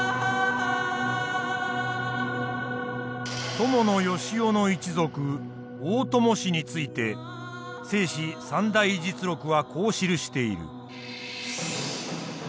伴善男の一族大伴氏について正史「三代実録」はこう記している。